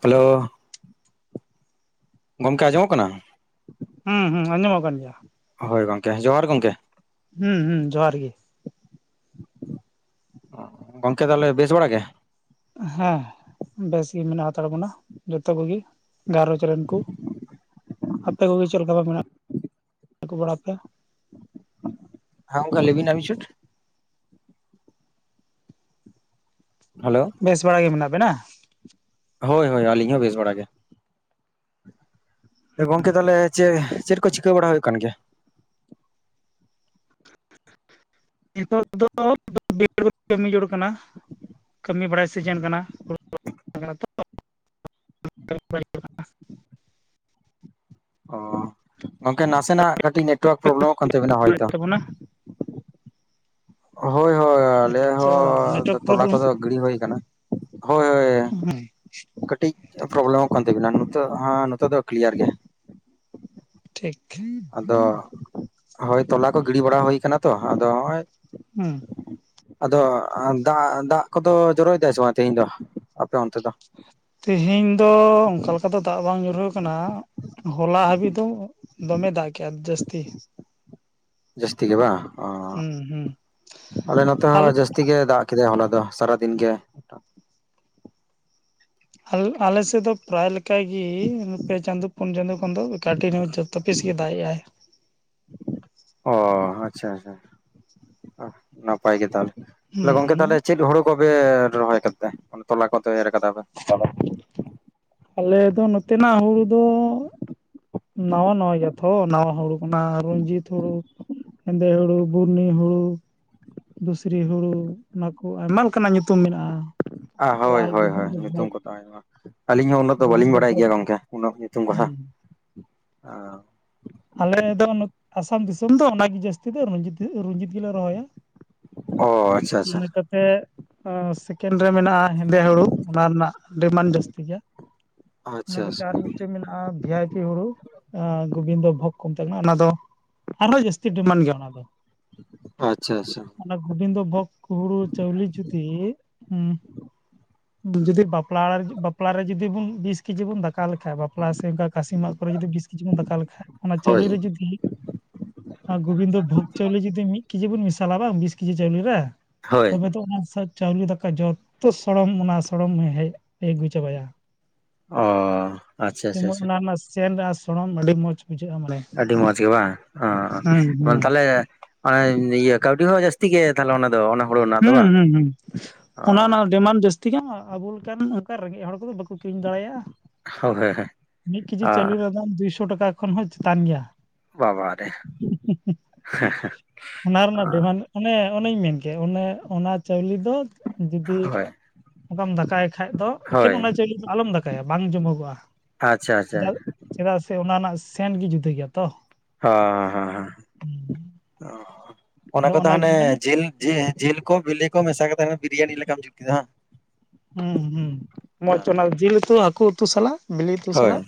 Hello, ᱜᱚᱝᱠᱮ ᱟᱸᱡᱚᱢᱚᱜ ᱠᱟᱱᱟ? ᱦᱮᱸ ᱦᱮᱸ ᱟᱡᱚᱢᱚᱜ ᱠᱟᱱ ᱜᱮᱭᱟ। ᱦᱳᱭ ᱜᱚᱝᱠᱮ, ᱡᱚᱦᱟᱨ ᱜᱚᱢᱠᱮ। ᱦᱩᱸ ᱦᱩᱸ ᱡᱚᱦᱟᱨ ᱜᱮ। ᱜᱚᱝᱠᱮ ᱛᱟᱦᱚᱞᱮ ᱵᱮᱥ ᱵᱟᱲᱟ ᱜᱮ? ᱦᱮᱸ, ᱵᱮᱥᱜᱤ ᱢᱮᱱᱟᱜ ᱦᱟᱛᱟᱲ ᱵᱚᱱᱟ, ᱡᱚᱛᱚ ᱠᱚᱜᱮ ᱜᱷᱟᱨᱚᱸᱧᱡᱽ ᱨᱮᱱ ᱠᱳ। ᱟᱯᱮ ᱠᱚᱜᱮ ᱪᱮᱫ ᱞᱮᱠᱟᱵᱷᱟᱯ ᱢᱮᱱᱟᱜ ᱵᱟᱲᱟ ᱯᱮᱭᱟ? ᱦᱮᱸ ᱜᱚᱝᱠᱮ ᱞᱟᱹᱭ ᱵᱤᱱ ᱪᱷᱩᱴ? ᱦᱮᱞᱳ, ᱵᱮᱥ ᱵᱟᱲᱟ ᱜᱮ ᱢᱮᱱᱟᱜ ᱵᱮᱱᱟ? ᱦᱳᱭ ᱦᱳᱭ ᱟᱹᱞᱤᱧ ᱦᱚᱸ ᱵᱮᱥ ᱵᱟᱲᱟ ᱜᱮ। ᱜᱚᱝᱠᱮ ᱛᱟᱦᱚᱞᱮ ᱪᱮ ᱪᱮᱫ ᱠᱚ ᱪᱤᱠᱟᱹ ᱵᱟᱲᱟ ᱦᱩᱭᱩᱜ ᱠᱟᱱ ᱜᱮᱭᱟ? ᱱᱤᱛᱚᱜ ᱫᱚ [unintelligible] ᱠᱟᱹᱢᱤ ᱡᱚᱲ ᱠᱟᱱᱟ। ᱠᱟᱹᱢᱤ ᱵᱟᱲᱟᱭ ᱥᱤᱡᱮᱱ ᱠᱟᱱᱟ [unintelligible] ᱛᱚ। ᱚ ᱜᱚᱝᱠᱮ ᱱᱟᱥᱮᱱᱟᱜ ᱠᱟᱹᱴᱤᱡ ᱱᱮᱴᱣᱟᱨᱠ ᱯᱨᱚᱵᱮᱞᱮᱢᱚᱜ ᱠᱟᱱ ᱛᱟᱵᱤᱱᱟ ᱦᱳᱭ ᱛᱚ। ᱛᱟᱵᱚᱱᱟ ᱦᱳᱭ ᱦᱳᱭ ᱟᱞᱮ ᱟᱪᱪᱷᱟ ᱦᱚᱸ ᱱᱮᱴᱣᱟᱨᱠ ᱛᱚᱞᱟ ᱯᱨᱚᱵᱞᱮᱢ ᱠᱚᱫᱚ ᱜᱤᱲᱤ ᱦᱩᱭ ᱟᱠᱟᱱᱟ, ᱦᱳᱭ ᱦᱳᱭ। ᱦᱮᱸ ᱠᱟᱹᱴᱤᱡ ᱯᱨᱚᱵᱞᱮᱢᱚᱜ ᱠᱟᱱ ᱛᱟᱵᱤᱱᱟ, ᱦᱮ ᱱᱤᱛᱚᱜ ᱫᱚ ᱠᱞᱤᱭᱟᱨ ᱜᱮ। ᱴᱷᱤᱠ। ᱟᱫᱚ, ᱦᱳᱭ ᱛᱚᱞᱟ ᱠᱚ ᱜᱤᱲᱤ ᱵᱟᱲᱟ ᱦᱩᱭ ᱟᱠᱟᱱᱟ ᱛᱚ, ᱟᱫᱚ ᱱᱚᱜ-ᱚᱭ ᱦᱮᱸ। ᱟᱫᱚ ᱫᱟ, ᱫᱟᱜ ᱠᱚᱫᱚ ᱡᱚᱨᱚᱭ ᱫᱟᱭ ᱥᱮ ᱵᱟᱝ ᱛᱮᱦᱮᱧ ᱫᱚ ᱟᱯᱮ ᱚᱱᱛᱮ ᱫᱚ? ᱛᱮᱦᱮᱧ ᱫᱚ ᱚᱱᱠᱟ ᱞᱮᱠᱟ ᱫᱚ ᱫᱟᱜ ᱵᱟᱝ ᱧᱩᱨᱦᱟᱹᱣ ᱠᱟᱱᱟ। ᱦᱚᱞᱟ ᱦᱟᱹᱵᱤᱡ ᱫᱚ ᱫᱚᱢᱮ ᱫᱟᱜ ᱠᱮᱫᱼᱟᱭ, ᱡᱟᱹᱥᱛᱤ। ᱡᱟᱹᱥᱛᱤ ᱜᱮ ᱵᱟᱝ ᱚ, ᱦᱩᱸ ᱦᱩᱸ ᱟᱞᱮ ᱱᱚᱛᱮ ᱟᱞ ᱦᱚᱸ ᱡᱟᱹᱥᱛᱤ ᱜᱮ ᱫᱟᱜ ᱠᱮᱫᱼᱟᱭ ᱦᱚᱞᱟ ᱫᱚ ᱥᱟᱨᱟᱫᱤᱱ ᱜᱮ। ᱟᱞᱮ ᱟᱞᱮᱥᱮᱫ ᱫᱚ ᱯᱨᱟᱭ ᱞᱮᱠᱟ ᱜᱮ, ᱯᱮ ᱪᱟᱸᱫᱚ ᱯᱩᱱ ᱪᱟᱸᱫᱳ ᱠᱷᱚᱱ ᱫᱚ ᱠᱟᱹᱴᱤ ᱨᱮᱦᱚᱸ ᱡᱟᱯ ᱛᱚᱯᱤᱥ ᱜᱮ ᱫᱟᱜ ᱮᱜᱼᱟᱭ। ᱚ ᱟᱪᱪᱷᱟ ᱟᱪᱪᱷᱟ, ᱟᱜ ᱱᱟᱯᱟᱭ ᱜᱮ ᱛᱟᱦᱚᱞᱮ ᱾ ᱜᱚᱝᱠᱮ ᱦᱩᱸ ᱛᱟᱦᱚᱞᱮ ᱪᱮᱫ ᱦᱩᱲᱩ ᱠᱚᱯᱮ ᱨᱚᱦᱚᱭ ᱫᱟᱯᱮ, ᱢᱟᱱᱮ ᱛᱚᱞᱟ ᱠᱚᱯᱮ ᱮᱨ ᱟᱠᱟᱫᱟ ᱯᱮ? [unintelligible] ᱟᱞᱮ ᱫᱚ ᱱᱚᱛᱮᱱᱟᱜ ᱦᱩᱲᱩ ᱫᱚ, ᱱᱟᱣᱟ ᱱᱟᱣᱟ ᱜᱮᱭᱟ ᱛᱚ ᱱᱟᱣᱟ ᱦᱩᱲᱩ। ᱚᱱᱟ ᱨᱚᱱᱧᱡᱤᱛ ᱦᱩᱲᱩ, ᱦᱮᱸᱫᱮ ᱦᱩᱲᱩ, ᱵᱩᱨᱱᱤ ᱦᱩᱲᱩ, ᱫᱩᱥᱨᱤ ᱦᱩᱲᱩ ᱚᱱᱟ ᱠᱚ ᱟᱭᱢᱟ ᱞᱮᱠᱟᱱᱟᱜ ᱧᱩᱛᱩᱢ ᱢᱮᱱᱟᱜᱼᱟ। ᱟ ᱦᱳᱭ ᱞᱟᱞ ᱦᱳᱭ ᱦᱳᱭ ᱧᱩᱛᱩᱢ ᱠᱚ ᱛᱟᱸᱦᱮᱱ ᱢᱟ ᱾ ᱟᱹᱞᱤᱧ ᱦᱚᱸ ᱩᱱᱟᱹᱜ ᱫᱚ ᱵᱟᱹᱞᱤᱧ ᱵᱟᱲᱟᱭ ᱜᱮᱭᱟ ᱜᱚᱝᱠᱮ ᱩᱱᱟᱹᱜ ᱧᱩᱛᱩᱢ ᱠᱚᱦᱟᱸ, ᱦᱮᱸ ᱮᱼᱼ ᱟᱞᱮ ᱫᱚ ᱟᱥᱟᱢ ᱫᱤᱥᱚᱢ ᱫᱚ ᱚᱱᱟᱜᱮ ᱡᱟᱹᱥᱛᱤ ᱫᱚ ᱨᱚᱧᱡᱤᱛ ᱨᱚᱧᱡᱤᱛ ᱜᱮᱞᱮ ᱨᱚᱦᱚᱭᱟ। ᱚᱭ। ᱤᱱᱟ ᱠᱟᱛᱮᱜ ᱟ ᱥᱮᱼᱼ ᱥᱮᱠᱮᱱᱰ ᱨᱮ ᱢᱮᱱᱟᱜᱼᱟ ᱦᱮᱸᱫᱮ ᱦᱩᱲᱩ ᱚᱱᱟ ᱨᱮᱱᱟᱜ ᱰᱤᱢᱟᱱᱰ ᱡᱟᱹᱥᱛᱤ ᱜᱮᱭᱟ। ᱤᱱᱟᱹ ᱟᱪᱪᱷᱟ ᱟᱪᱪᱷᱟ ᱠᱟᱛᱮᱫ ᱟᱨ ᱢᱤᱫᱴᱮᱱ ᱢᱮᱱᱟᱜᱼᱟ ᱵᱷᱤᱭᱟᱭᱯᱤ ᱦᱩᱲᱩ ᱜᱳᱵᱤᱱᱫᱚ ᱵᱷᱚᱜᱽ ᱠᱚ ᱢᱮᱛᱟᱜ ᱠᱟᱱᱟ ᱚᱱᱟ ᱫᱚ ᱟᱨᱦᱚᱸ ᱡᱟᱹᱥᱛᱤ ᱰᱤᱢᱟᱱᱰ ᱜᱮᱭᱟ ᱚᱱᱟ ᱫᱚ। ᱟᱪᱪᱷᱟ, ᱟᱪᱪᱷᱟ। ᱚᱱᱟ ᱜᱳᱵᱤᱱᱫᱚ ᱵᱷᱚᱜᱽ ᱦᱳᱲᱳ, ᱪᱟᱣᱞᱤ ᱡᱩᱫᱤ ᱩᱦ ᱡᱩᱫᱤ ᱵᱟᱯᱞᱟ, ᱵᱟᱯᱞᱟ ᱨᱮ, ᱡᱩᱫᱤ ᱵᱚᱱ ᱵᱤᱥ ᱠᱤᱡᱤ ᱵᱚᱱ ᱫᱟᱠᱟ ᱞᱮᱠᱷᱟᱡ, ᱵᱟᱯᱞᱟ ᱥᱮ ᱠᱟᱥᱤ ᱢᱟᱜ ᱨᱮ ᱡᱩᱫᱤ ᱵᱤᱥ ᱠᱤᱡᱤ, ᱵᱚᱱ ᱫᱟᱠᱟ ᱞᱮᱠᱷᱟᱱ ᱚᱱᱟ ᱦᱳᱭ ᱪᱟᱣᱞᱮ ᱨᱮ ᱡᱩᱫᱤ ᱟᱨ ᱜᱳᱵᱤᱱᱫᱚ ᱵᱷᱳᱜᱽ ᱪᱟᱣᱞᱤ ᱡᱩᱫᱤ, ᱢᱤᱫ ᱠᱮᱡᱤ ᱵᱚᱱ ᱢᱮᱥᱟᱞᱟ ᱵᱟᱝ ᱵᱤᱥ ᱠᱮᱡᱤ ᱪᱟᱣᱞᱮ ᱨᱮ ᱦᱳᱭ ᱛᱚᱵᱮ ᱛᱚ ᱚᱱᱟ ᱪᱟᱣᱞᱮ ᱫᱟᱠᱟ ᱡᱚᱛᱚ, ᱥᱚᱲᱚᱢ ᱚᱱᱟ ᱥᱚᱲᱚᱢ ᱦᱮᱡ ᱟᱹᱜᱩ ᱪᱟᱵᱟᱭᱟ। ᱚ ᱟᱪᱪᱷᱟ ᱟᱪᱪᱷᱟ ᱡᱮᱢᱚᱱ ᱟᱪᱪᱷᱟ ᱚᱱᱟ ᱨᱮᱱᱟᱜ ᱥᱮᱱ ᱟᱨ ᱥᱚᱲᱚᱢ, ᱟᱹᱰᱤ ᱢᱚᱸᱡᱽ ᱵᱩᱡᱷᱟᱹᱜᱼᱟ ᱢᱟᱱᱮ᱾ ᱟᱹᱰᱤ ᱢᱚᱸᱡᱽ ᱜᱮ ᱵᱟᱝ, ᱚ, ᱦᱩᱸ ᱚ ᱦᱩᱸ ᱛᱟᱦᱞᱮ ᱚᱱᱮ ᱤᱭᱟᱹ ᱠᱟᱹᱣᱰᱤ ᱦᱚᱸ, ᱡᱟᱹᱥᱛᱤ ᱜᱮ ᱛᱟᱦᱞᱮ ᱚᱱᱟ ᱫᱚ, ᱚᱱᱟ ᱦᱩᱲᱩ ᱨᱮᱱᱟᱜ ᱫᱚ ᱦᱩᱸ, ᱵᱟᱝ ᱦᱩᱸ, ᱦᱩᱸ, ᱚᱱᱟ ᱚ ᱱᱟᱜ ᱰᱤᱢᱟᱱᱰ ᱡᱟᱹᱥᱛᱤᱭᱼᱟ, ᱟᱵᱚ ᱞᱮᱠᱟᱱ ᱚᱱᱠᱟ ᱨᱮᱸᱜᱮᱡ ᱦᱚᱲ ᱠᱚᱫᱚ, ᱵᱟᱠᱚ ᱠᱤᱨᱤᱧ ᱫᱟᱲᱮᱭᱟᱜᱼᱟ᱾ ᱦᱳᱭ ᱢᱤᱫ ᱠᱮᱡᱤ ᱚ ᱪᱟᱹᱣᱞᱮ ᱨᱮᱱᱟᱜ ᱫᱟᱢ, ᱫᱩᱭᱥᱚ ᱴᱟᱠᱟ ᱠᱷᱚᱱ ᱦᱚᱸ ᱪᱮᱛᱟᱱ ᱜᱮᱭᱟ᱾ ᱵᱟᱵᱟᱨᱮ ᱚᱱᱟ ᱚ ᱨᱮᱱᱟᱜ ᱰᱤᱢᱟᱱᱰ ᱚᱱᱮ ᱚᱱᱮᱧ ᱢᱮᱱ ᱠᱮ, ᱚᱱᱮ ᱚᱱᱟ ᱪᱟᱣᱞᱮ ᱫᱚ ᱡᱩᱫᱤ ᱦᱳᱭ ᱚᱱᱠᱟᱢ ᱫᱟᱠᱟᱭ ᱠᱷᱟᱡ ᱫᱚ, ᱮᱠᱮᱱ ᱦᱳᱭ ᱚᱱᱟ ᱪᱟᱣᱞᱮ ᱫᱚ ᱟᱞᱚᱢ ᱫᱟᱠᱟᱭᱟ, ᱵᱟᱝ ᱡᱚᱢᱚᱜᱚᱜᱼᱟ᱾ ᱟᱪᱪᱷᱟ, ᱟᱪᱪᱷᱟ᱾ ᱪᱮᱫᱟᱜ ᱪᱮᱫᱟᱜ ᱥᱮ ᱚᱱᱟ ᱨᱮᱱᱟᱜ ᱥᱮᱱ, ᱜᱮ ᱡᱩᱫᱟᱹ ᱜᱮᱭᱟ ᱛᱚ᱾ ᱦᱚᱸ, ᱦᱚᱸ, ᱦᱚᱸ, ᱚ- ᱚᱱᱟ ᱟᱫᱚ ᱠᱚᱫᱚ ᱦᱟᱱᱮ ᱚᱱᱟᱜᱮ ᱢᱟᱱᱮ ᱡᱮᱞ ᱡᱮ ᱡᱮᱞ ᱠᱚ, ᱵᱮᱞ ᱠᱚ ᱢᱮᱥᱟ ᱠᱟᱛᱮ, ᱦᱟᱱᱮ ᱵᱤᱨᱭᱟᱱᱤ ᱞᱮᱠᱟᱢ ᱡᱩᱛ ᱠᱮᱫᱟ ᱵᱟᱝ? ᱦᱩᱸ, ᱦᱩᱸ, ᱢᱚᱸᱡᱽ ᱦᱮᱸ, ᱚᱱᱟ ᱡᱮᱞ ᱩᱛᱩ, ᱦᱟᱹᱠᱩ ᱩᱛᱩ ᱥᱟᱞᱟᱜ ᱵᱤᱞᱮ ᱩᱛᱩ ᱦᱳᱭ ᱥᱟᱞᱟᱜ,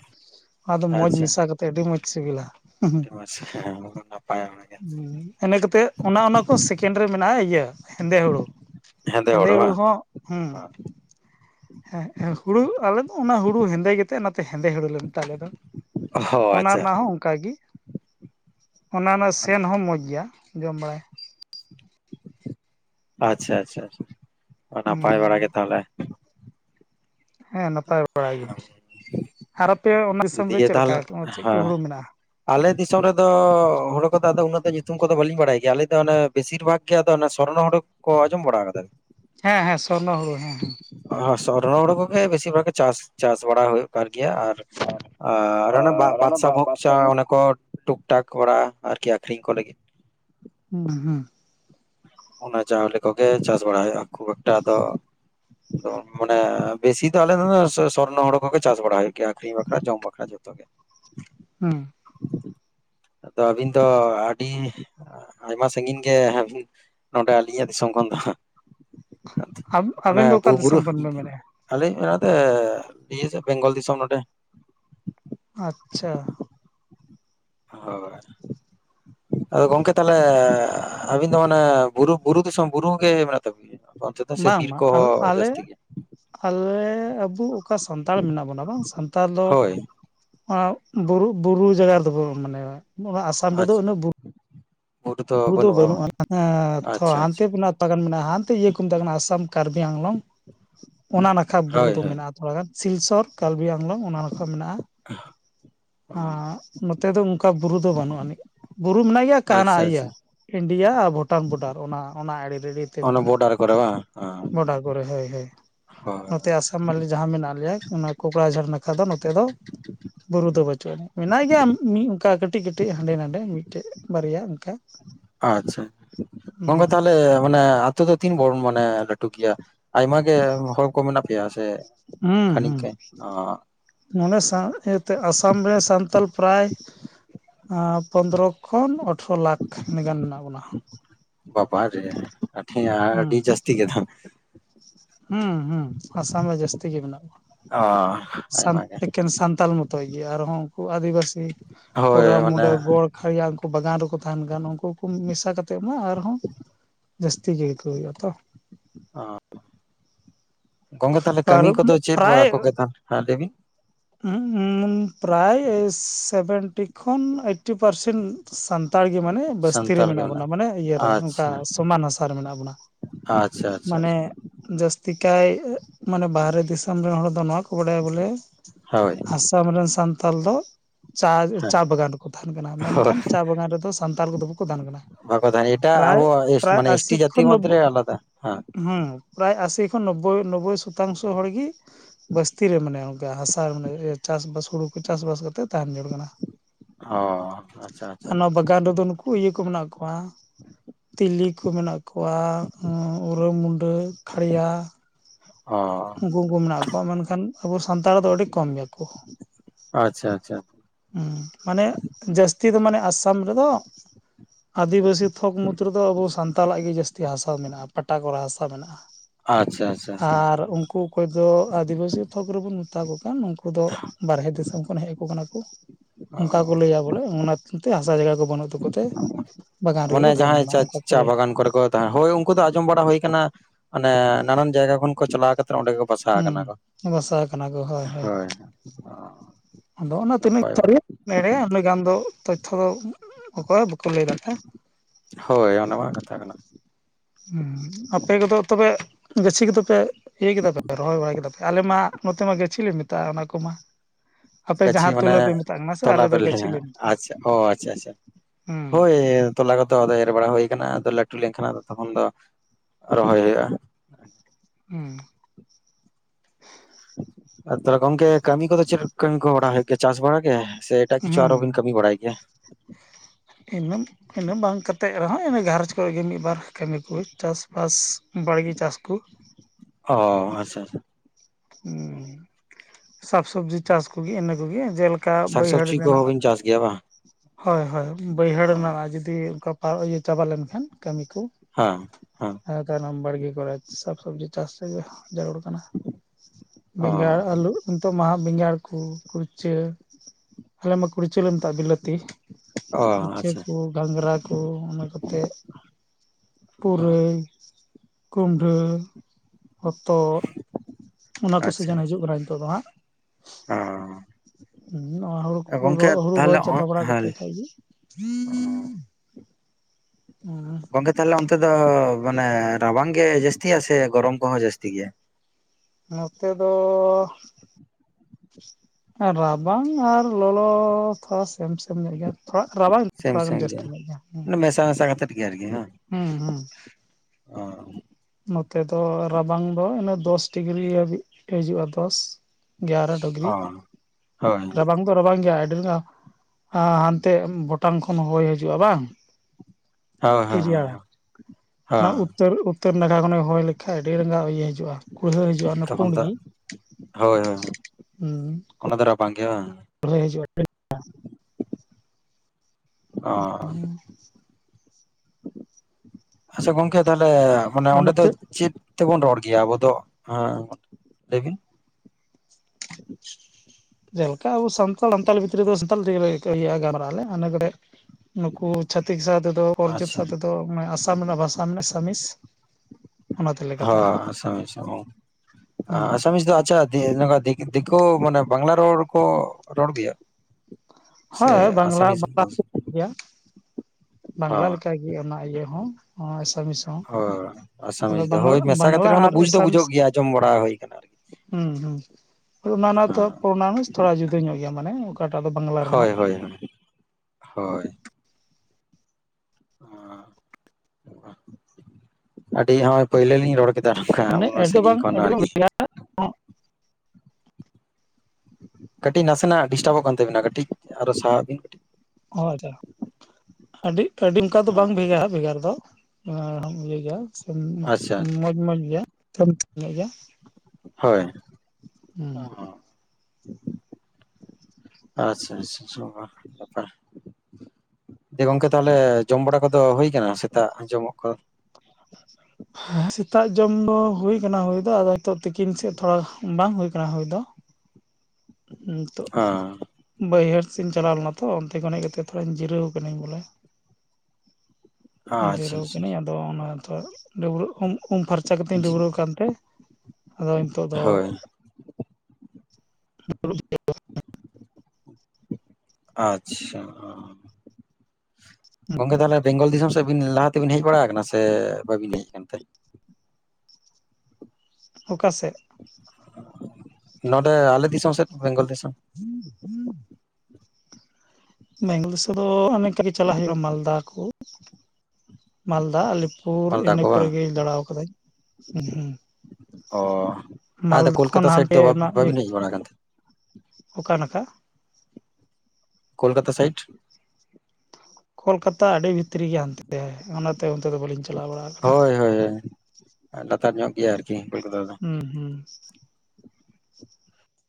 ᱟᱫᱚ ᱢᱚᱸᱡᱽ ᱟᱪᱪᱷᱟ ᱢᱮᱥᱟ ᱠᱟᱛᱮᱜ ᱟᱹᱰᱤ ᱢᱚᱸᱡᱽ ᱥᱮᱵᱮᱞᱟ᱾ ᱦᱮ ᱚᱱᱟ ᱢᱟ ᱠᱟᱱ ᱜᱮ᱾ ᱦᱩ ᱤᱱᱟᱹ ᱠᱟᱛᱮᱜ ᱚᱱᱟ, ᱚᱱᱟ ᱠᱚ ᱥᱮᱠᱮᱱᱰ ᱨᱮ ᱢᱮᱱᱟᱜᱼᱟ, ᱤᱭᱟᱹ ᱦᱮᱸᱫᱮ ᱦᱳᱲᱳ᱾ ᱦᱮᱸᱫᱮ ᱦᱳᱲᱳ ᱦᱚᱸ, ᱦᱩᱸ ᱦᱚᱸ ᱦᱮᱸ ᱦᱩᱲᱩ ᱟᱞᱮ ᱫᱚ ᱚᱱᱟ ᱦᱩᱲᱩ ᱦᱮᱸᱫᱮ ᱜᱮᱛᱮ, ᱚᱱᱟᱛᱮ ᱦᱮᱸᱫᱮ ᱦᱳᱲᱩ ᱞᱮ ᱢᱮᱛ ᱟᱞᱮ ᱫᱚ᱾ ᱚ ᱚᱱᱟ ᱟᱪᱪᱷᱟ ᱨᱮᱱᱟᱜ ᱦᱚᱸ ᱚᱱᱠᱟᱜᱮ, ᱚᱱᱟ ᱨᱮᱱᱟᱜ ᱥᱮᱱ ᱦᱚᱸ ᱢᱚᱸᱡᱽ ᱜᱮᱭᱟ᱾ ᱡᱚᱢ ᱵᱟᱲᱟᱭ ᱟᱪᱪᱷᱟ, ᱟᱪᱪᱷᱟ, ᱚ- ᱱᱟᱯᱟᱭ ᱵᱟᱲᱟ ᱦᱩᱸ ᱜᱮ ᱛᱟᱦᱚᱞᱮ? ᱦᱮᱸ ᱱᱟᱯᱟᱭ ᱵᱟᱲᱟ ᱜᱮ, ᱟᱨ ᱟᱯᱮ ᱚᱱᱟ ᱫᱤᱥᱚᱢ ᱨᱮ ᱫᱤᱭᱮ ᱪᱮᱫ ᱞᱮᱠᱟ, ᱛᱟᱦᱚᱞᱮ ᱪᱮᱫ ᱠᱚ ᱦᱮᱸ ᱦᱳᱲᱳ ᱢᱮᱱᱟᱜᱼᱟ᱾ ᱟᱞᱮ ᱫᱤᱥᱚᱢ ᱨᱮᱫᱚ ᱦᱳᱲᱳ ᱠᱚᱫᱚ, ᱟᱫᱚ ᱩᱱᱟᱹᱜ ᱫᱚ ᱧᱩᱛᱩᱢ ᱠᱚᱫᱚ, ᱵᱟᱹᱞᱤᱧ ᱵᱟᱲᱟᱭ ᱜᱮᱭᱟ, ᱟᱹᱞᱤᱧ ᱫᱚ ᱚᱱᱮ ᱵᱮᱥᱤᱨ ᱵᱷᱟᱜ ᱜᱮ ᱟᱫᱚ, ᱚᱱᱟ ᱥᱚᱨᱱᱚ ᱦᱳᱲᱳ ᱠᱚ, ᱟᱸᱡᱚᱢ ᱵᱟᱲᱟ ᱠᱟᱫᱟᱵᱤᱱ? ᱦᱮᱸ, ᱦᱮᱸ, ᱥᱚᱨᱱᱚ ᱦᱳᱲᱳ ᱦᱮᱸ, ᱦᱮᱸ᱾ ᱥᱚᱨᱱᱚ ᱦᱳᱲᱳ ᱠᱚᱜᱮ ᱵᱮᱥᱤᱨ ᱵᱷᱟᱜᱽ ᱜᱮ ᱪᱟᱥ, ᱪᱟᱥ ᱵᱟᱲᱟ ᱦᱳᱭᱳᱜ ᱠᱟᱱ ᱜᱮᱭᱟ, ᱟᱨ ᱟᱨ ᱚᱱᱮ ᱚᱱᱟ ᱵᱟᱫᱥᱟ ᱵᱟ ᱵᱷᱚᱠᱥᱟ ᱵᱟᱫᱥᱟᱢᱚᱱᱤ ᱚᱱᱟᱠᱚ, ᱴᱩᱠ ᱴᱟᱠ ᱚᱲᱟᱜ ᱟᱨᱠᱤ ᱟᱠᱷᱨᱤᱧ ᱠᱚ ᱞᱟᱹᱜᱤᱫ᱾ ᱦᱩᱸ, ᱦᱮᱸ᱾ ᱚᱱᱟ ᱪᱟᱣᱞᱮ ᱠᱚᱜᱮ ᱪᱟᱥ ᱵᱟᱲᱟᱭ ᱦᱳᱭᱳᱜᱼᱟ, ᱠᱷᱩᱵ ᱮᱠᱴᱟ ᱫᱚ ᱫᱚ ᱢᱟᱱᱮ ᱵᱮᱥᱤ ᱫᱚ ᱟᱞᱮ ᱥᱮᱱ ᱫᱚ ᱥᱚᱨᱱᱚ ᱦᱳᱲᱳ ᱠᱚᱜᱮ, ᱪᱟᱥ ᱵᱟᱲᱟ ᱦᱳᱭᱳᱜ ᱜᱮᱭᱟ, ᱟᱹᱷᱨᱤᱧ ᱵᱟᱠᱷᱨᱟ ᱡᱚᱢ ᱵᱟᱠᱷᱨᱟ, ᱡᱚᱛᱚ ᱜᱮ᱾ [inaudible] [unintelligible] ᱦᱩᱸ, ᱟᱫᱚ ᱟᱹᱵᱤᱱ ᱫᱚ, ᱟᱹᱰᱤ ᱟᱭᱢᱟ ᱥᱟᱺᱜᱤᱧ ᱜᱮ ᱱᱚᱰᱮ ᱟᱹᱞᱤᱧᱟᱜ ᱫᱤᱥᱚᱢ ᱠᱷᱚᱱ ᱫᱚ ᱦᱟᱸᱜ? ᱟ, ᱟᱵᱤᱱ ᱫᱚ ᱚᱠᱟ ᱫᱤᱥᱚᱢ ᱠᱷᱚᱱ ᱵᱮᱱ ᱢᱮᱱᱮᱜᱼᱟ? ᱟᱞᱤᱧ ᱢᱮᱱᱛᱮ ᱱᱤᱭᱟᱹ ᱵᱮᱝᱜᱚᱞ ᱫᱤᱥᱚᱢ ᱱᱚᱸᱰᱮ᱾ ᱟᱪᱪᱷᱟ, ᱦᱳᱭ, ᱟᱫᱚ ᱜᱚᱢᱠᱮ ᱛᱟᱦᱚᱞᱮ ᱟᱹᱵᱤᱱ ᱫᱚ ᱢᱟᱱᱮ ᱵᱩᱨᱩ, ᱵᱩᱨᱩ ᱫᱤᱥᱚᱢ ᱵᱩᱨᱩ ᱜᱮ ᱢᱮᱱᱟᱜ ᱛᱟᱵᱤᱱᱟ? ᱚᱱᱛᱮ ᱫᱚ ᱥᱮ ᱵᱟᱝ, ᱵᱤᱨ ᱵᱟᱝ ᱟᱞ, ᱠᱚᱦᱚᱸ ᱟᱞᱮ ᱡᱟᱹᱥᱛᱤ ᱜᱮᱭᱟ? ᱟᱞᱮ ᱟᱵᱚ ᱚᱠᱟ ᱥᱟᱱᱛᱟᱲ ᱢᱮᱱᱟᱜ ᱵᱚᱱᱟ, ᱵᱟᱝ ᱥᱟᱱᱛᱟᱲ ᱫᱚ ᱦᱳᱭ ᱚᱱᱟ ᱵᱩᱨᱩ, ᱵᱩᱨᱩ ᱡᱟᱭᱜᱟ ᱨᱮᱫᱚ ᱵᱚᱱ ᱢᱟᱱᱮ, ᱚᱱᱟ ᱟᱥᱟᱢ ᱨᱮᱫᱚ ᱟᱪᱪᱷᱟ ᱩᱱᱟᱹᱜ ᱵᱩ ᱵᱩᱨᱩ ᱫᱚ ᱵᱟᱹᱱᱩᱜᱼᱟ, ᱦᱮ ᱛᱷᱚ ᱟᱪᱪᱷᱟ ᱦᱟᱱᱛᱮ ᱟᱪᱪᱷᱟ ᱢᱮᱱᱟᱜᱼᱟ᱾ ᱛᱟᱜᱟᱱ ᱢᱮᱱᱟᱜᱼᱟ ᱦᱟᱱᱛᱮ ᱤᱭᱟᱹ ᱠᱚ ᱢᱮᱛᱟᱜ ᱠᱟᱱᱟ ᱟᱥᱟᱢ, ᱠᱟᱨᱵᱤ, ᱟᱝᱞᱚᱝ, ᱚᱱᱟ ᱱᱟᱠᱷᱟ ᱵᱩᱨᱩ ᱦᱳᱭ ᱫᱚ ᱦᱳᱭ ᱢᱮᱱᱟᱜᱼᱟ᱾ ᱛᱷᱚᱲᱟᱜᱟᱱ ᱥᱤᱞᱥᱚᱨ ᱠᱟᱞᱵᱤ ᱟᱝᱞᱚᱝ ᱚᱱᱟ ᱱᱟᱠᱷᱟ ᱢᱮᱱᱟᱜᱼᱟ᱾ ᱦᱩᱸ, ᱟᱸ ᱱᱚᱛᱮ ᱫᱚ ᱚᱱᱠᱟ ᱵᱩᱨᱩ ᱫᱚ ᱵᱟᱹᱱᱩᱜ ᱟᱹᱱᱤᱡ, ᱵᱩᱨᱩ ᱢᱮᱱᱟᱜ ᱜᱮᱭᱟ ᱟᱪᱪᱷᱟ ᱠᱟᱱᱟᱜ ᱤᱭᱟᱹ᱾ ᱟᱪᱪᱷᱟ ᱤᱱᱰᱤᱭᱟ ᱵᱷᱩᱴᱟᱱ ᱵᱳᱰᱟᱨ ᱚᱱᱟ ᱚᱱᱟ ᱟᱲᱮ ᱟᱲᱮᱰᱤ ᱛᱮ ᱚᱱᱟ ᱢᱮᱱᱟᱜᱼᱟ᱾ ᱵᱚᱰᱟᱨ ᱠᱚᱨᱮ ᱵᱟᱝ? ᱦᱮᱸ ᱵᱚᱰᱟ ᱠᱚᱨᱮ ᱦᱳᱭ-ᱦᱳᱭ ᱱᱚᱛᱮ ᱦᱳᱭ ᱟᱥᱟᱢ ᱢᱟᱞᱮ ᱡᱟᱦᱟᱸ ᱢᱮᱱᱟᱜ ᱞᱮᱭᱟ ᱚᱱᱟ ᱠᱚᱠᱲᱟ ᱡᱷᱟᱨᱱᱟ ᱱᱟᱠᱷᱟ ᱫᱚ ᱱᱚᱛᱮ ᱫᱚ᱾ ᱵᱩᱨᱩ ᱫᱚ ᱵᱟᱹᱪᱩᱜ ᱟᱹᱱᱤᱡ, ᱢᱮᱱᱟᱭ ᱜᱮᱭᱟ ᱢᱤᱫ ᱚᱱᱠᱟ ᱠᱟᱹᱴᱤᱡ ᱠᱟᱹᱴᱤᱡ ᱦᱟᱸᱰᱮ ᱱᱟᱰᱮ ᱢᱤᱫᱴᱮᱱ ᱵᱟᱨᱭᱟ ᱚᱱᱠᱟ᱾ ᱟᱪᱪᱷᱟ ᱜᱚᱝᱠᱮ ᱦᱩᱸ ᱛᱟᱦᱞᱮ ᱢᱟᱱᱮ ᱟᱹᱛᱩ ᱫᱚ ᱛᱤᱱ ᱵᱚᱨ ᱢᱟᱱᱮ ᱞᱟᱹᱴᱩ ᱜᱮᱭᱟ᱾ ᱟᱭᱢᱟ ᱜᱮ ᱦᱚᱲ ᱠᱚ ᱢᱮᱱᱟᱜ ᱯᱮᱭᱟ ᱥᱮ ᱠᱷᱟᱹᱱᱤᱠ ᱦᱩᱸ ᱜᱮ ᱚ ᱱᱚᱰᱮ ᱥᱟᱶ ᱤᱭᱟᱹᱛᱮ ᱟᱥᱟᱢ ᱨᱮ ᱥᱟᱱᱛᱟᱞ ᱯᱨᱟᱭ ᱟ ᱯᱚᱱᱫᱽᱨᱚ ᱠᱷᱚᱱ ᱟᱴᱷᱨᱚ ᱞᱟᱠᱷ ᱤᱱᱟᱹ ᱜᱟᱱ ᱢᱮᱱᱟᱜ ᱵᱚᱱᱟ᱾ ᱵᱟᱵᱟᱨ ᱨᱮ! ᱟᱴᱷᱮ ᱦᱩᱸ ᱟᱹᱰᱤ ᱡᱟᱹᱥᱛᱤ ᱜᱮᱫᱚ᱾ ᱦᱩᱸ- ᱦᱩᱸ ᱟᱥᱟᱢ ᱨᱮ ᱡᱟᱹᱥᱛᱤ ᱜᱮ ᱢᱮᱱᱟᱜ ᱠᱚᱣᱟ᱾ ᱚ ᱥᱟᱱ ᱟᱭᱢᱟ ᱜᱮ ᱮᱠᱮᱱ ᱥᱟᱱᱛᱟᱞ ᱢᱚᱛᱚᱭ ᱜᱮᱭᱟ ᱟᱨᱦᱚᱸ ᱩᱱᱠᱩ ᱟᱹᱫᱤᱵᱟᱹᱥᱤ, ᱦᱳᱭ ᱠᱚᱨᱟ, ᱢᱟᱱᱮ ᱢᱩᱰᱟᱹ ᱜᱚᱲ ᱠᱷᱟᱨᱭᱟ ᱩᱱᱠᱩ ᱵᱟᱜᱟᱱ ᱨᱮᱠᱚ ᱛᱟᱦᱮᱱ ᱠᱟᱱ ᱩᱱᱠᱩ ᱠᱚ ᱢᱮᱥᱟ ᱠᱟᱛᱮᱫ ᱢᱟ ᱟᱨᱦᱚᱸ ᱡᱟᱹᱥᱛᱤ ᱜᱮ ᱠᱚ ᱦᱩᱭᱩᱜᱼᱟ ᱛᱚ᱾ ᱚ ᱜᱚᱝᱠᱮ ᱛᱟᱦᱚᱞᱮ ᱟᱨ ᱠᱟᱹᱢᱤ ᱠᱚᱫᱚ ᱪᱮᱫ ᱵᱟᱲᱟ ᱠᱚᱜᱮᱸ [unintelligible] ᱞᱟᱹᱭᱵᱤᱱ? ᱚᱩᱸ ᱯᱨᱟᱭ ᱥᱮᱵᱷᱮᱱᱴᱤ ᱠᱷᱚᱱ ᱮᱭᱤᱴᱴᱤ ᱯᱟᱨᱥᱮᱱᱴ ᱥᱟᱱᱛᱟᱲ ᱜᱮ ᱢᱟᱱᱮ ᱵᱟᱥᱛᱤ ᱨᱮ ᱥᱟᱱᱛᱟᱲ ᱜᱮ ᱢᱮᱱᱟᱜ ᱵᱚᱱᱟ᱾ ᱢᱟᱱᱮ ᱤᱭᱟᱹᱨᱮ ᱚᱱᱠᱟ ᱟᱪᱪᱷᱟ ᱥᱚᱢᱟᱱ ᱦᱟᱥᱟ ᱨᱮ ᱢᱮᱱᱟᱜ ᱵᱚᱱᱟ᱾ ᱟᱪᱪᱷᱟ - ᱟᱪᱪᱷᱟ - ᱢᱟᱱᱮ ᱪᱷᱟ ᱡᱟᱹᱥᱛᱤ ᱠᱟᱭ ᱢᱟᱱᱮ ᱵᱟᱦᱮᱨᱮ ᱫᱤᱥᱚᱢ ᱨᱮᱱ ᱦᱚᱲ ᱫᱚ ᱱᱚᱣᱟ ᱠᱚ ᱵᱟᱰᱟᱭᱟ ᱵᱚᱞᱮ ᱦᱳᱭ ᱟᱥᱟᱢ ᱨᱮᱱ ᱥᱟᱱᱛᱟᱞ ᱫᱚ᱾ ᱪᱟ ᱦᱮᱸ ᱪᱟ ᱵᱟᱜᱟᱱ ᱨᱮᱠᱚ ᱛᱟᱦᱮᱱ ᱠᱟᱱᱟ᱾ ᱢᱮᱱᱠᱷᱟᱱ ᱪᱟ ᱵᱟᱜᱟᱱ ᱨᱮᱫᱚ ᱥᱟᱱᱛᱟᱞ ᱠᱚᱫᱚ ᱵᱟᱠᱚ ᱛᱟᱦᱮᱱ ᱠᱟᱱᱟ᱾ ᱵᱟᱠᱚᱫᱟᱱ ᱮᱴᱟᱜ ᱯᱨᱟᱭ ᱟᱵᱚ ᱮᱥ ᱯᱨᱟᱭ ᱢᱟᱱᱮ ᱮᱥ ᱴᱤ ᱡᱟᱹᱛᱤ ᱢᱚᱫᱽᱫᱷᱮ ᱨᱮ ᱟᱞᱟᱫᱟ ᱦᱮᱸ᱾ ᱦᱩᱸ ᱯᱨᱟᱭ ᱟᱥᱤ ᱠᱷᱚᱱ ᱱᱳᱵᱵᱳᱭ ᱱᱳᱵᱵᱳᱭ ᱥᱚᱛᱟᱝᱥᱳ ᱦᱚᱲᱜᱮ᱾ ᱵᱟᱹᱥᱛᱤ ᱨᱮ ᱢᱟᱱᱮ ᱚᱱᱠᱟ ᱦᱟᱥᱟ ᱢᱟᱱᱮ ᱪᱟᱥᱵᱟᱥ ᱦᱩᱲᱩ ᱠᱚ ᱪᱟᱥᱵᱟᱥ ᱠᱟᱛᱮᱜ ᱛᱟᱦᱮᱱ ᱡᱚᱲ ᱠᱟᱱᱟ᱾ ᱚ ᱟᱪᱪᱷᱟ - ᱟᱪᱪᱷᱟ ᱟᱨ ᱱᱚᱣᱟ ᱵᱟᱜᱟᱱ ᱨᱮᱫᱚ ᱱᱩᱠᱩ ᱤᱭᱟᱹ ᱠᱚ ᱢᱮᱱᱟᱜ ᱠᱚᱣᱟ᱾ ᱛᱤᱞᱤ ᱠᱚ ᱢᱮᱱᱟᱜ ᱠᱚᱣᱟ᱾ ᱩᱨᱟᱹᱣ ᱢᱩᱰᱟᱹ ᱠᱷᱟᱲᱭᱟ᱾ ᱚ ᱩᱱᱠᱩ ᱩᱱᱠᱩ ᱢᱮᱱᱟᱜ ᱠᱚᱣᱟ᱾ ᱢᱮᱱᱠᱷᱟᱱ ᱟᱵᱚ ᱥᱟᱱᱛᱟᱲ ᱫᱚ ᱟᱹᱰᱤ ᱠᱚᱢ ᱜᱮᱭᱟ ᱠᱚ᱾ ᱟᱪᱪᱷᱟ - ᱟᱪᱪᱷᱟ ᱦᱩᱸ ᱢᱟᱱᱮ ᱡᱟᱹᱥᱛᱤ ᱫᱚ ᱢᱟᱱᱮ ᱟᱥᱟᱢ ᱨᱮᱫᱚ᱾ ᱟᱹᱫᱤᱵᱟᱹᱥᱤ ᱛᱷᱚᱠ ᱢᱩᱫᱽ ᱨᱮᱫᱚ ᱟᱵᱚ ᱥᱟᱱᱛᱟᱞᱟᱜ ᱜᱮ ᱡᱟᱹᱥᱛᱤ ᱦᱟᱥᱟ ᱢᱮᱱᱟᱜᱼᱟ᱾ ᱯᱟᱴᱟ ᱠᱚᱨᱟ ᱦᱟᱥᱟ ᱢᱮᱱᱟᱜᱼᱟ᱾ ᱟᱪᱪᱷᱟ - ᱟᱪᱪᱷᱟ - ᱟᱪᱪᱷᱟ ᱟᱨ ᱩᱱᱠᱩ ᱚᱠᱚᱭ ᱫᱚ ᱟᱹᱫᱤᱵᱟᱹᱥᱤ ᱛᱷᱚᱠ ᱨᱮᱵᱚᱱ ᱢᱮᱛᱟ ᱠᱚ ᱠᱟᱱ, ᱩᱱᱠᱩ ᱫᱚ ᱵᱟᱨᱦᱮ ᱫᱤᱥᱚᱢ ᱠᱷᱚᱱ ᱦᱮᱡ ᱠᱚ ᱠᱟᱱᱟ ᱠᱚ, ᱚ ᱚᱱᱠᱟ ᱠᱚ ᱞᱟᱹᱭᱟ ᱵᱚᱞᱮ ᱚᱱᱟ ᱛᱮ ᱦᱟᱥᱟ ᱡᱟᱭᱜᱟ ᱠᱚ ᱵᱟᱹᱱᱩᱜ ᱛᱟᱠᱚᱣᱟ᱾ ᱟᱠᱚᱛᱮ ᱵᱟᱜᱟᱱ ᱨᱮᱜᱮ ᱢᱟᱱᱮ ᱠᱚ ᱛᱟᱦᱮᱱ ᱡᱟᱦᱟᱸᱭ ᱠᱟᱱᱟ ᱪᱟ ᱚᱱᱠᱟ ᱠᱚ ᱪᱟ ᱞᱟᱹᱭᱟ᱾ ᱵᱟᱜᱟᱱ ᱠᱚᱨᱮ ᱠᱚ ᱦᱳᱭ ᱩᱱᱠᱩ ᱫᱚ ᱟᱸᱡᱚᱢ ᱵᱟᱲᱟ ᱦᱩᱭ ᱠᱟᱱᱟ᱾ ᱢᱟᱱᱮ ᱱᱟᱱᱟᱱ ᱡᱟᱭᱜᱟ ᱠᱷᱚᱱ ᱠᱚ ᱪᱟᱞᱟᱣ ᱠᱟᱛᱮ ᱚᱸᱰᱮ ᱠᱚ ᱵᱟᱥᱟ ᱠᱟᱱᱟ ᱦᱩᱸ ᱠᱚ᱾ ᱵᱟᱥᱟ ᱠᱟᱱᱟ ᱠᱚ ᱦᱳᱭ ᱟᱫᱚ ᱚᱱᱟ ᱛᱤᱱᱟᱹᱜ ᱱᱟᱯᱟᱭ ᱥᱟᱹᱨᱤ ᱵᱟᱲᱟ ᱮᱲᱮ ᱩᱱᱟᱹᱜ ᱜᱟᱱ ᱫᱚ ᱛᱚᱛᱛᱷᱚ ᱫᱚ ᱚᱠᱚᱭ ᱵᱟᱠᱚ ᱞᱟᱹᱭ ᱫᱟᱲᱮ ᱟ᱾ ᱦᱳᱭ ᱚᱱᱟᱢᱟ ᱠᱟᱛᱷᱟ ᱠᱟᱱᱟ᱾ ᱦᱮᱸ ᱟᱯᱮ ᱠᱚᱫᱚ ᱛᱚᱵᱮ ᱜᱟᱹᱪᱷᱤ ᱠᱚᱫᱚ ᱯᱮ ᱤᱭᱟᱹ ᱠᱮᱫᱟ ᱯᱮ ᱨᱚᱦᱚᱭ ᱵᱟᱲᱟ ᱠᱮᱫᱟ ᱯᱮ? ᱟᱞᱮ ᱢᱟ ᱱᱚᱛᱮ ᱢᱟ ᱜᱟᱹᱪᱷᱤ ᱞᱮ ᱢᱮᱛᱟᱜᱼᱟ ᱚᱱᱟ ᱠᱚᱢᱟ᱾ [inaudible] ᱟᱯᱮ ᱜᱟᱹᱪᱷᱤ ᱡᱟᱦᱟᱸ ᱢᱟᱱᱮ ᱛᱩᱞᱟᱹ ᱯᱮ ᱢᱮᱛᱟᱜ ᱠᱟᱱᱟ ᱥᱮ ᱛᱚᱞᱟ ᱟᱞᱮ ᱯᱮ ᱫᱚ ᱜᱟᱹᱪᱷᱤ ᱞᱟᱹᱭᱟ᱾ ᱞᱮ ᱢᱮᱛᱟᱜᱼᱟ ᱟᱪᱪᱷᱟ ᱚ ᱟᱪᱪᱷᱟ ᱟᱪᱪᱷᱟ ᱦᱩᱸ ᱦᱳᱭ᱾ ᱛᱚᱞᱟ ᱠᱚᱫᱚ ᱟᱫᱚ ᱮᱨ ᱵᱟᱲᱟ ᱦᱳᱭ ᱠᱟᱱᱟ ᱟᱫᱚ ᱞᱟᱹᱴᱩ ᱞᱮᱱ ᱠᱷᱟᱱ ᱟᱫᱚ ᱛᱚ ᱠᱷᱚᱱ ᱫᱚ ᱨᱚᱦᱚᱭ ᱦᱳᱭᱳᱜᱼᱟ᱾ ᱦᱩᱸ ᱟᱨ ᱛᱟᱦᱮᱞᱮ ᱜᱚᱝᱠᱮ ᱠᱟᱹᱢᱤ ᱠᱚ ᱫᱚ ᱪᱮᱫ ᱠᱟᱹᱢᱤ ᱠᱚ ᱵᱟᱲᱟ ᱦᱳᱭᱳᱜ ᱜᱮᱭᱟ ᱪᱟᱥ ᱵᱟᱲᱟ ᱜᱮ ᱥᱮ ᱮᱴᱟᱜ ᱠᱤᱪᱷᱩ ᱟᱨᱚ ᱵᱤᱱ ᱦᱩᱸ ᱠᱟᱹᱢᱤ ᱵᱟᱲᱟᱭ ᱜᱮᱭᱟ᱾ ᱤᱧ ᱢᱟᱹᱧ ᱤᱱᱟᱹ ᱵᱟᱝ ᱠᱟᱛᱮᱜ ᱨᱮ ᱦᱚᱸ ᱤᱱᱟᱹ ᱜᱷᱟᱨᱚᱸᱡᱽ ᱠᱚ ᱨᱮ ᱜᱮ ᱢᱤᱫ ᱵᱟᱨ ᱠᱟᱹᱢᱤ ᱠᱚ ᱪᱟᱥ ᱵᱟᱥ ᱵᱟᱲᱜᱮ ᱪᱟᱥ ᱠᱚ ᱚᱻ ᱟᱪᱪᱷᱟ ᱟᱪᱪᱷᱟ ᱦᱩᱸ ᱥᱟᱠᱼᱥᱚᱵᱽᱡᱤ ᱪᱟᱥ ᱠᱚ ᱜᱮ ᱤᱱᱟᱹ ᱠᱚ ᱜᱮ ᱡᱮᱞᱮ ᱠᱟ ᱥᱟᱠ ᱵᱟᱹᱭᱦᱟᱹᱲ ᱥᱚᱵᱽᱡᱤ ᱨᱮᱱᱟᱜ ᱠᱚᱦᱚᱸ ᱵᱤᱱ ᱪᱟᱥ ᱜᱮᱭᱟ ᱵᱟᱝ? ᱦᱳᱭ ᱦᱳᱭ ᱵᱟᱹᱭᱦᱟᱹᱲ ᱚ ᱢᱮᱱᱟᱜᱼᱟ᱾ ᱡᱩᱫᱤ ᱚᱱᱠᱟ ᱤᱭᱟᱹ ᱪᱟᱵᱟ ᱞᱮᱱ ᱠᱷᱟᱱ ᱠᱟᱹᱢᱤ ᱠᱚ ᱦᱮᱸ ᱦᱮᱸ ᱛᱟᱨ ᱱᱚᱢᱵᱚᱨ ᱠᱚ ᱜᱮ ᱥᱟᱠ ᱥᱚᱵᱡᱤ ᱪᱟᱥ ᱛᱮ ᱜᱮ ᱡᱟᱨᱩᱲ ᱠᱟᱱᱟ ᱚ ᱵᱮᱸᱜᱟᱲ ᱟᱹᱞᱩ ᱱᱤᱛᱚᱜ ᱢᱟ ᱦᱟᱜ ᱵᱮᱸᱜᱟᱲ ᱠᱚ ᱠᱩᱲᱪᱟᱹ ᱟᱞᱮ ᱢᱟ ᱠᱩᱲᱪᱟᱹ ᱞᱮ ᱢᱮᱛᱟᱜ ᱵᱤᱞᱟᱹᱛᱤ ᱚ ᱠᱩᱲᱪᱟᱹ ᱟᱪᱪᱷᱟ ᱠᱚ ᱜᱷᱟᱸᱝᱨᱟ ᱠᱚ ᱚᱱᱟ ᱠᱟᱛᱮᱜ ᱚ ᱯᱩᱨᱟᱹᱭ ᱠᱩᱢᱰᱟᱹ, ᱦᱚᱛᱚᱫ, ᱚᱱᱟ ᱠᱚ ᱥᱤᱡᱮᱱ ᱦᱤᱡᱩᱜ ᱠᱟᱱᱟ ᱱᱤᱛᱚᱜ ᱫᱚ ᱦᱟᱸᱜ ᱚᱻᱻ ᱱᱚᱣᱟ ᱦᱩᱲᱩ ᱠᱚ ᱦᱩᱲᱩ ᱛᱟᱦᱚᱞᱮ ᱨᱚᱦᱚᱭ ᱚ ᱪᱟᱵᱟ ᱵᱟᱲᱟ ᱦᱮᱸ ᱠᱟᱛᱮᱫ ᱠᱷᱟᱡ ᱜᱮ ᱚ [inaudible] ᱦᱮᱸ ᱜᱚᱝᱠᱮ ᱛᱟᱦᱞᱮ ᱚᱱᱛᱮ ᱫᱚ ᱢᱟᱱᱮ ᱨᱟᱵᱟᱝ ᱜᱮ ᱡᱟᱹᱥᱛᱤ ᱭᱟ ᱥᱮ ᱜᱚᱨᱚᱢ ᱠᱚ ᱦᱚᱸ ᱡᱟᱹᱥᱛᱤ ᱜᱮᱭᱟ᱾ ᱱᱚ ᱛᱮ ᱫᱚᱻ ᱨᱟᱵᱟᱝ ᱟᱨ ᱞᱚ ᱞᱚ ᱛᱷᱚᱲᱟ ᱥᱮᱢ ᱥᱮᱢ ᱧᱚᱜ ᱜᱮᱭᱟ ᱾ ᱨᱟᱵᱟᱝ ᱥᱮᱢ ᱛᱷᱚᱲᱟ ᱥᱮᱢ ᱡᱟᱹᱥᱛᱤ ᱧᱚᱜ ᱜᱮᱭᱟ ᱦᱩᱸ ᱢᱮᱥᱟ ᱢᱮᱥᱟ ᱠᱟᱛᱮᱫ ᱜᱮ ᱟᱨᱠᱤ ᱦᱮᱸ ᱦᱩᱸ ᱚ ᱱᱚ ᱛᱮ ᱫᱚ ᱨᱟᱵᱟᱝ ᱫᱚ ᱤᱱᱟᱹ ᱫᱚᱥ ᱰᱤᱜᱽᱨᱤ ᱦᱟᱹᱵᱤᱡ ᱦᱤᱡᱩᱜᱼᱟ᱾ ᱫᱚᱥ ᱜᱮᱭᱟ ᱨᱚ ᱰᱚᱜᱽᱨᱤ ᱦᱳᱭ ᱦᱳᱭ ᱨᱟᱵᱟᱝ ᱨᱟᱵᱟᱝ ᱜᱮᱭᱟ ᱟᱹᱰᱤ ᱦᱟᱱ ᱛᱮ ᱵᱚᱴᱟᱝ ᱠᱷᱚᱱ ᱦᱚᱭ ᱦᱤᱡᱩᱜᱼᱟ᱾ ᱵᱟᱝ ᱴᱷᱤᱠ ᱜᱮᱭᱟ ᱦᱳᱭ ᱚᱱᱟ ᱦᱳᱭ ᱩᱛᱚᱨ ᱩᱛᱚᱨ ᱱᱟᱠᱷᱟ ᱠᱷᱚᱱ ᱦᱚᱭ ᱞᱮᱠᱟ ᱮ ᱠᱷᱟᱡ ᱟᱹᱰᱤ ᱨᱟᱸᱜᱟᱣ ᱤᱭᱟᱹ ᱦᱤᱡᱩᱜᱼᱟ᱾ ᱠᱩᱲᱦᱟᱹ ᱦᱤᱡᱩᱜᱼᱟ ᱚᱱᱟ ᱛᱚᱠᱷᱚᱱ ᱯᱩᱸᱲ ᱫᱚ ᱜᱮ ᱦᱩᱸ ᱵᱟᱝ ᱜᱮ [unintelligible] ᱦᱤᱡᱩᱜ-ᱟ ᱚ ᱟᱪᱪᱷᱟ ᱜᱚᱝᱠᱮ ᱛᱟᱦᱞᱮ ᱢᱟᱱᱮ ᱟᱨ ᱚᱸᱰᱮ ᱫᱚ ᱱᱚᱛᱮ ᱪᱮᱫ ᱛᱮ ᱵᱚᱱ ᱨᱚᱲ ᱜᱮᱭᱟ ᱟᱵᱚ ᱫᱚ ᱦᱮᱸ ᱞᱟᱹᱭ ᱵᱤᱱ ᱡᱮᱞᱮ ᱠᱟ ᱟᱵᱚ ᱥᱟᱱᱛᱟᱞ ᱥᱟᱛᱟᱞ ᱵᱷᱤᱛᱨᱤ ᱫᱚ ᱥᱟᱱᱛᱟᱞ ᱜᱟᱨ ᱢᱟᱨᱟᱜ ᱟᱞᱮ [unintelligible] ᱱᱩ ᱠᱩ ᱪᱷᱟᱛᱤᱠ ᱥᱟᱶ ᱛᱮ ᱫᱚ ᱚᱨᱡᱚᱛ ᱟᱪᱪᱷᱟ ᱥᱟᱶ ᱛᱮ ᱫᱚ ᱟᱥᱟᱢ ᱨᱮᱱᱟᱜ ᱵᱷᱟᱥᱟ ᱢᱮᱱᱟᱜᱼᱟ᱾ ᱥᱟᱢᱤᱥ ᱦᱳᱭ ᱟᱥᱟᱢ ᱦᱩᱸ ᱟᱥᱟᱢ ᱫᱚ ᱟᱪᱷᱟ ᱱᱚᱝᱠᱟ ᱫᱤ ᱠᱳ ᱢᱟᱱᱮ ᱵᱟᱝ ᱞᱟ ᱨᱚᱲ ᱠᱚ ᱨᱚᱲ ᱜᱮᱭᱟ᱾ ᱥᱮ ᱦᱳᱭ ᱵᱟᱝ ᱞᱟ ᱟᱥᱟᱢᱤᱡ ᱵᱟᱝ ᱞᱟ ᱦᱚᱸ ᱜᱮᱭᱟ᱾ ᱵᱟᱝ ᱞᱟ ᱞᱮᱠᱟ ᱜᱮ ᱚᱱᱟ ᱤᱭᱟᱹ ᱦᱚᱸ ᱟᱥᱟᱢᱤᱥ ᱦᱳᱭ ᱟᱥᱟᱢᱤᱡ ᱫᱚ ᱦᱳᱭ ᱢᱮ ᱥᱟ ᱠᱟᱛᱮᱫ ᱵᱟᱝᱞᱟ ᱢᱟᱱᱮ ᱟᱨ ᱵᱩᱡ ᱫᱚ ᱵᱩᱡᱟᱹᱜ ᱮᱥᱟᱢᱤᱥ ᱜᱮᱭᱟ ᱟᱸᱡᱚᱢ ᱵᱟᱲᱟ ᱦᱩᱭ ᱟᱠᱟᱱᱟ ᱟᱨ ᱠᱤ ᱦᱩᱸ ᱦᱩᱸ ᱚᱱᱟ ᱚᱱᱟ ᱯᱨᱚᱨ ᱱᱟᱱᱤᱥ ᱛᱷᱚᱲᱟ ᱡᱩᱫᱟᱹ ᱧᱚᱜ ᱜᱮᱭᱟ ᱢᱟᱱᱮ ᱚᱠᱟ ᱴᱟᱜ ᱫᱚ ᱵᱟᱝ ᱞᱟ ᱦᱳᱭ ᱨᱮᱱᱟᱜ ᱦᱳᱭ ᱦᱳᱭ ᱦᱳᱭ ᱟᱹᱰᱤ ᱟᱴ ᱯᱳᱭᱞᱳ ᱞᱤᱧ ᱨᱚᱲ ᱠᱮᱫᱟ ᱦᱟᱱᱛᱮ ᱠᱷᱚᱱ ᱤᱱᱟᱹᱜ ᱩᱱᱟᱹᱜ ᱟᱹᱰᱤ ᱫᱚ ᱥᱟᱹᱜᱤᱧ ᱵᱟᱝ ᱠᱷᱚᱱ ᱟᱹᱰᱤ ᱟᱨ ᱫᱚ ᱠᱤ ᱵᱷᱮᱜᱟᱨ ᱚ ᱠᱟᱹᱴᱤᱡ ᱱᱟᱥᱮ ᱱᱟᱜ ᱰᱤᱥ ᱴᱟᱵᱚᱜ ᱠᱟᱱ ᱛᱟᱵᱤ ᱱᱟ ᱠᱟᱹᱴᱤᱡ ᱟᱨᱚ ᱥᱟᱦᱟᱣᱟᱜ ᱵᱤᱱ ᱚ ᱟᱪᱪᱷᱟ ᱟᱹᱰᱤ ᱟᱹᱰᱤ ᱚᱱᱠᱟ ᱫᱚ ᱦᱮᱸ ᱵᱟᱝ ᱵᱷᱮᱜᱟᱨ ᱵᱷᱮᱜᱟᱨ ᱫᱚ ᱟᱨ ᱦᱚᱢ ᱤᱭᱟᱹ ᱜᱮᱭᱟ ᱟᱪᱪᱷᱟ ᱢᱚᱸᱡᱽ ᱢᱚᱸᱡᱽ ᱜᱮᱭᱟ [unintelligible] ᱜᱮᱭᱟ ᱦᱳᱭ ᱦᱩᱸ ᱚ ᱟᱪᱪᱷᱟ ᱟᱪᱪᱷᱟ [unintelligible] ᱮ ᱜᱚᱝᱠᱮ ᱛᱟᱦᱚᱞᱮ ᱡᱚᱢ ᱵᱟᱲᱟ ᱠᱚᱫᱚ ᱦᱩᱭ ᱟᱠᱟᱱᱟ ᱥᱮᱛᱟᱜ ᱡᱚᱢᱟᱜ ᱠᱚ? ᱟ ᱥᱮᱛᱟᱜ ᱡᱚᱢ ᱫᱚ ᱦᱳᱭ ᱟᱠᱟᱱᱟ ᱦᱩᱭ ᱫᱚ ᱟᱫᱚ ᱦᱤᱛᱚᱜ ᱛᱤᱠᱤᱱ ᱥᱮᱫ ᱛᱷᱚᱲᱟ ᱵᱟᱝ ᱦᱳᱭ ᱠᱟᱱᱟ ᱦᱩᱭ ᱫᱚ᱾ ᱱᱤᱛᱚᱜ ᱦᱮᱸ ᱵᱟᱹᱭᱦᱟᱹᱲ ᱥᱮᱫ ᱤᱧ ᱪᱟᱞᱟᱣ ᱞᱮᱱᱟ ᱛᱚ ᱚᱱᱛᱮ ᱠᱷᱚᱱ ᱦᱮᱡ ᱠᱟᱛᱮᱜ ᱛᱷᱚᱲᱟᱧ ᱡᱤᱨᱟᱹᱣ ᱠᱟᱹᱱᱤᱧ ᱵᱚᱞᱮ᱾ [inaudible] ᱟᱪᱪᱷᱟ ᱡᱤᱨᱟᱹᱣ ᱟᱪᱪᱷᱟ ᱠᱟᱹᱱᱟᱹᱧ ᱟᱫᱚ ᱚᱱᱟ ᱛᱚ ᱰᱟᱹᱵᱽᱨᱩᱜ ᱩᱢ ᱩᱢ ᱯᱷᱟᱨᱪᱟ ᱠᱟᱛᱮᱜ ᱤᱧ ᱰᱟᱹᱵᱽᱨᱟᱹᱣ ᱠᱟᱱ ᱛᱮ ᱟᱫᱚ ᱱᱤᱛᱚᱜ ᱫᱚ ᱦᱳᱭ ᱫᱩᱲᱩᱵ ᱡᱤᱨᱟᱹᱣ᱾ ᱟᱪᱪᱷᱟ᱾ ᱜᱚᱝᱠᱮ ᱛᱟᱦᱚᱞᱮ ᱵᱮᱝᱜᱚᱞ ᱫᱤᱥᱚᱢ ᱥᱮᱫ ᱵᱤᱱ ᱞᱟᱦᱟ ᱛᱮᱵᱤᱱ ᱦᱮᱡ ᱵᱟᱲᱟ ᱟᱠᱟᱱᱟ ᱥᱮ ᱵᱟᱵᱤᱱ ᱦᱮᱡ ᱟᱠᱟᱱ ᱛᱮ? ᱚᱠᱟ ᱥᱮᱫ? ᱱᱚᱰᱮ ᱟᱞᱮ ᱫᱤᱥᱚᱢ ᱥᱮᱫ ᱵᱮᱝᱜᱚᱞ ᱫᱤᱥᱚᱢ᱾ [inaudible] ᱵᱮᱝᱜᱚᱞ ᱫᱤᱥᱚᱢ ᱫᱚ ᱚᱱᱮ ᱚᱱᱠᱟᱜᱮ ᱪᱟᱞᱟᱜ ᱦᱩᱭᱩᱜ-ᱟ ᱢᱟᱞᱫᱟ ᱠᱚ ᱢᱟᱞᱫᱟ ᱟᱞᱤ ᱯᱩᱨ ᱢᱟᱞᱫᱟ ᱤᱱᱟᱹ ᱠᱚ ᱠᱚᱨᱮ ᱵᱟᱝ ᱜᱤᱧ ᱫᱟᱸᱲᱟᱣ ᱠᱟᱹᱫᱟᱹᱧ ᱦᱩ ᱦᱩ᱾ ᱚ ᱟᱫᱚ ᱠᱷᱚᱱ ᱠᱳᱞᱠᱟᱛᱟ ᱥᱟᱭᱤᱰ ᱦᱟᱱᱛᱮ ᱫᱚ ᱵᱟᱵ ᱚᱱᱟ ᱤᱭᱟᱹ ᱵᱟᱵᱤᱱ ᱦᱮᱡ ᱵᱟᱲᱟ ᱠᱟᱱ ᱛᱮ? ᱚᱠᱟ ᱱᱟᱠᱷᱟ? ᱠᱳᱞᱠᱟᱛᱟ ᱥᱟᱭᱤᱴ᱾ ᱠᱳᱞᱠᱟᱛᱟ ᱟᱹᱰᱤ ᱵᱷᱤᱛᱨᱤ ᱜᱮᱭᱟ ᱦᱟᱱᱛᱮ ᱚᱱᱟᱛᱮ ᱚᱱᱛᱮ ᱫᱚ ᱵᱟᱹᱞᱤᱧ ᱪᱟᱞᱟᱣ ᱵᱟᱲᱟ᱾ ᱟᱠᱟᱱᱟ ᱦᱳᱭ ᱦᱳᱭ ᱦᱳᱭ ᱞᱟᱛᱟᱨ ᱧᱚᱜ ᱜᱮᱭᱟ ᱟᱨᱠᱤ ᱠᱳᱞᱠᱟᱛᱟ ᱫᱚ᱾ ᱦᱩᱸ ᱦᱩᱸ᱾